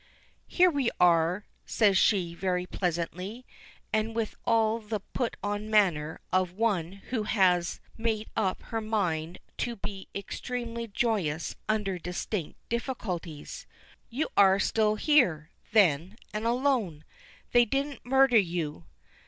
"Here we are," she says, very pleasantly, and with all the put on manner of one who has made up her mind to be extremely joyous under distinct difficulties. "You are still here, then, and alone. They didn't murder you.